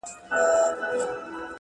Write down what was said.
د تجربې ښوونه تل ژوره وي’